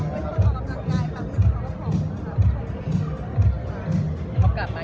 ของคุณครับเหนื่อยมั้ยหวาน